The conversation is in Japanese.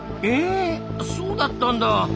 えそうだったんだ！